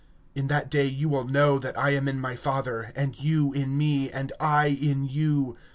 (20)In that day ye shall know that I am in my Father, and ye in me, and I in you.